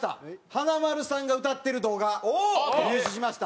華丸さんが歌ってる動画入手しました。